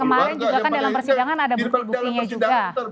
kemarin juga kan dalam persidangan ada bukti buktinya juga